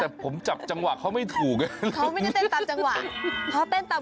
อ้าวดูดิเห็นแล้วที่คุณจะส่ง๙๙๙โอ้โฮ